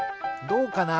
どうかな？